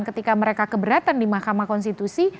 ketika mereka keberatan di mahkamah konstitusi